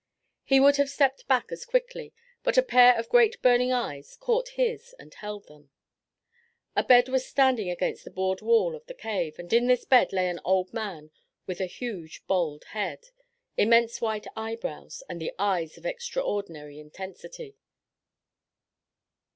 He would have stepped back as quickly, but a pair of great burning eyes caught his and held them. A bed was standing against the board wall of the cave, and in this bed lay an old man with a huge bald head, immense white eyebrows and eyes of extraordinary intensity.